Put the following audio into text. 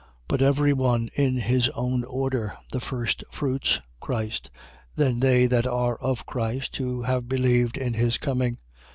15:23. But every one in his own order: the firstfruits, Christ: then they that are of Christ, who have believed in his coming.